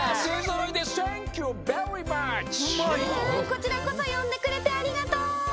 こちらこそよんでくれてありがとう！